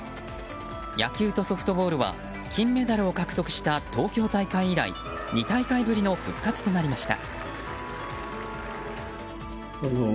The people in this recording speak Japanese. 野球とソフトボールは金メダルを獲得した東京大会以来２大会ぶりの復活となりました。